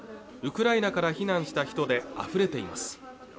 ウクライナから避難した人であふれています